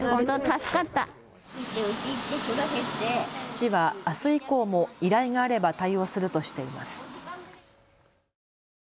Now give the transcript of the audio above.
市はあす以降も依頼があれば対応するとしています。